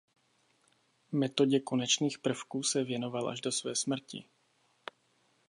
Metodě konečných prvků se věnoval až do své smrti.